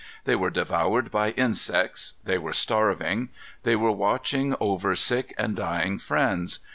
They were devoured by insects. They were starving. They were watching over sick and dying friends.